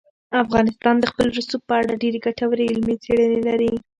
افغانستان د خپل رسوب په اړه ډېرې ګټورې علمي څېړنې لري.